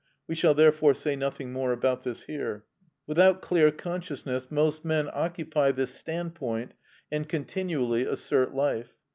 We shall therefore say nothing more about this here. Without clear consciousness most men occupy this standpoint and continually assert life.